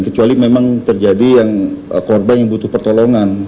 kecuali memang terjadi yang korban yang butuh pertolongan